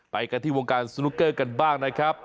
ไปกันที่วงการสนุกเกอร์กันบ้างนะครับ